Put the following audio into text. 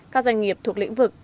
các doanh nghiệp thuộc lĩnh vực